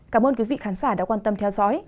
cảm ơn quý vị khán giả đã quan tâm theo dõi